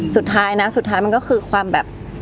สุดท้ายนะสุดท้ายมันก็คือความแบบ